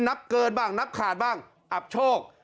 นับเกินบ้างนับขาดบ้างอับโชค